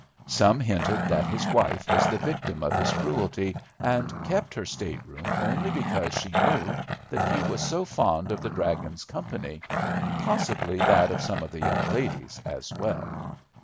Some hinted that his wife was the victim of his cruelty, and kept her state room only because she knew that he was so fond of the "dragon's" company, and possibly that of some of the young ladies as well.